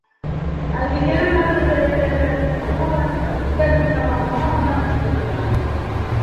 Айбикәгә тағы ниҙер әйтергә теләп туҡталһа ла, бүтән һүҙ таба алмаған һымаҡ, китеп барҙы.